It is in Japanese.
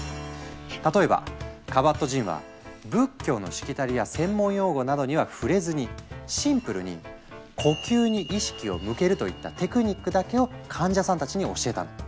例えばカバットジンは仏教のしきたりや専門用語などには触れずにシンプルに「呼吸に意識を向ける」といった「テクニック」だけを患者さんたちに教えたの。